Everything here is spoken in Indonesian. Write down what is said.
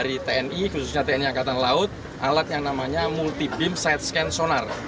ini adalah alat yang namanya multi beam sight scan sonar